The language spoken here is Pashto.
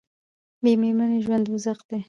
بې میرمنې ژوند دوزخ دی